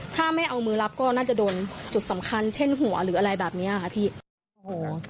ถ้าไม่เอามือรับก็น่าจะโดนจุดสำคัญเช่นหัวหรืออะไรแบบนี้ค่ะพี่โอ้โห